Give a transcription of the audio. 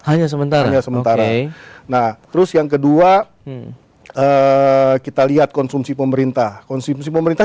hanya sebentar ya sementara nah terus yang kedua kita lihat konsumsi pemerintah konsumsi pemerintah